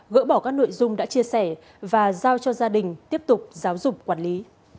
gỡ bỏ các nội dung đã chia sẻ và giao cho gia đình tiếp tục giáo dục quản lý